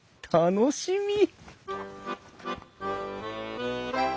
楽しみ！